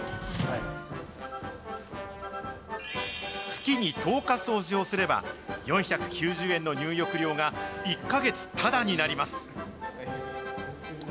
月に１０日掃除をすれば、４９０円の入浴料が１か月ただになります。